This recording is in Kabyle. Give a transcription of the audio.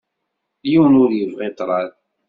Yiwen ur yebɣi ṭṭraḍ.